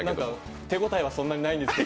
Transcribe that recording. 手応えはそんなにないんですけど。